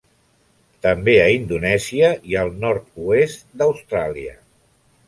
També a Indonèsia i al nord-oest d'Austràlia.